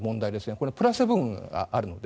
これ、プラスの部分があるので。